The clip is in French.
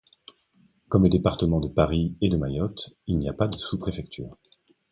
Comme les départements de Paris et de Mayotte, il n'a pas de sous-préfecture.